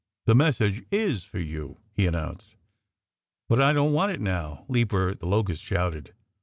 "The message is for you," he announced. "But I don't want it now!" Leaper the Locust shouted.